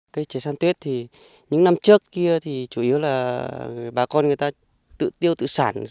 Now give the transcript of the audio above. cây trẻ san tuyết thì những năm trước kia thì chủ yếu là bà con người ta tự tiêu tự sản